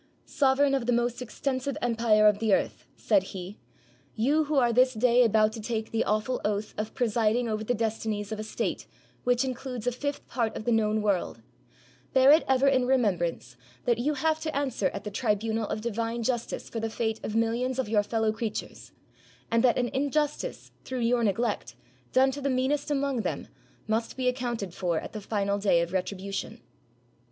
''Sovereign of the most extensive empire of the earth," said he, "you who are this day about to take the awful oath of presiding over the destinies of a state which includes a fifth part of the known world; bear it ever in remembrance that you have to answer at the tribunal of Divine Justice for 177 RUSSIA the fate of millions of your fellow creatures; and that an injustice, through your neglect, done to the meanest among them, must be accounted for at the final day of retribution."